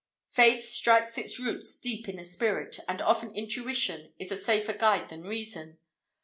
Faith strikes its roots deep in the spirit, and often Intuition is a safer guide than Reason.